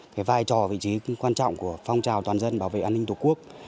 cái vai trò vị trí quan trọng của phong trào toàn dân bảo vệ an ninh tổ quốc